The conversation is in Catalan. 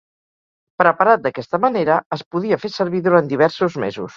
Preparat d'aquesta manera, es podia fer servir durant diversos mesos.